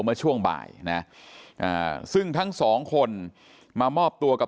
เมื่อช่วงบ่ายนะซึ่งทั้งสองคนมามอบตัวกับ